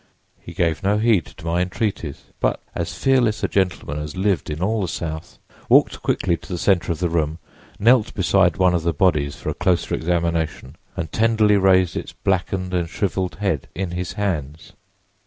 "He gave no heed to my entreaties, but (as fearless a gentleman as lived in all the South) walked quickly to the center of the room, knelt beside one of the bodies for a closer examination and tenderly raised its blackened and shriveled head in his hands.